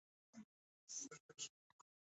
دوهم د کمپیوټر په مرسته ډیزاین دی.